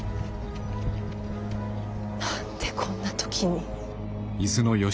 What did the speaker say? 何でこんな時に。